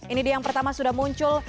ini dia yang pertama sudah muncul